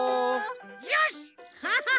よしハハハ！